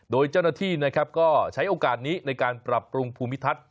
โดยเจ้าหน้าที่นะครับก็ใช้โอกาสนี้ในการปรับปรุงภูมิทัศน